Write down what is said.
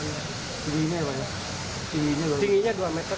tingginya dua meter